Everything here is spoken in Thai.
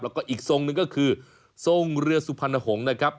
แล้วก็อีกทรงหนึ่งก็คือทรงเรือสุพรรณหงษ์นะครับ